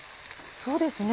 そうですね。